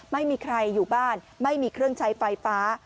ไม่มีใครอยู่บ้านไม่มีเครื่องใช้ไฟฟ้า